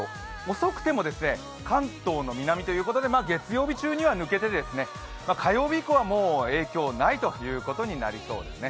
遅くても関東の南ということで月曜日中には抜けて火曜日以降はもう影響がないということになりそうですね。